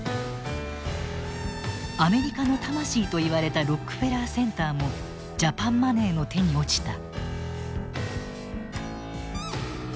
アメリカの魂といわれたロックフェラーセンターもジャパンマネーの手に落ちた。